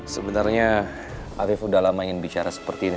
sebenarnya arief udah lama ingin bicara seperti ini